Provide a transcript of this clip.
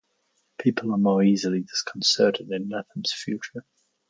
People are more easily disconcerted in Lethem's future.